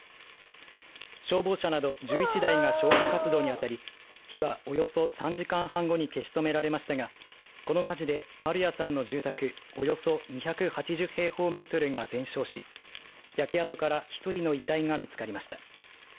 消防車など１１台が消火活動にあたり火は、およそ３時間半後に消し止められましたがこの火事で、丸谷さんの住宅およそ２８０平方メートルが全焼し焼け跡から１人の遺体が見つかりました。